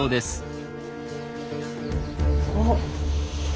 おっ。